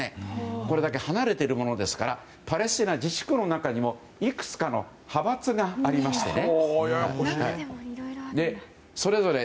これだけ離れているものですからパレスチナ自治区の中にもいくつかの派閥がありましてね。